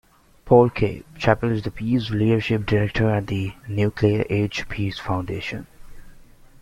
Paul K. Chappell is the Peace Leadership Director at the Nuclear Age Peace Foundation.